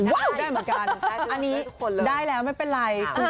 วาวได้เหมือนกัน